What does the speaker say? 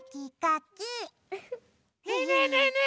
ねえねえねえねえ！